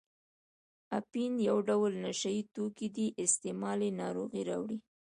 اپین یو ډول نشه یي توکي دي استعمال یې ناروغۍ راوړي.